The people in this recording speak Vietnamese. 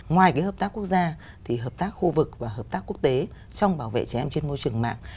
ngoài cái hợp tác quốc gia thì hợp tác khu vực và hợp tác quốc tế trong bảo vệ trẻ em trên môi trường mạng